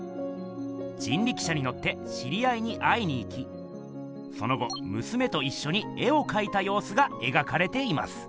人力車にのって知り合いに会いにいきその後娘といっしょに絵をかいたようすがえがかれています。